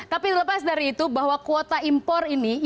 tapi lepas dari itu bahwa kuota impor ini